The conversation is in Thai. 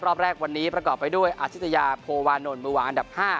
รอบแรกวันนี้ประกอบไปด้วยอาชิตยาโพวานนท์มือวางอันดับ๕